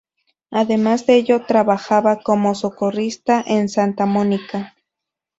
Además de ello trabajaba como socorrista en Santa Monica.